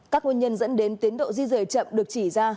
các nguyên nhân dẫn đến tiến độ di rời chậm được chỉ ra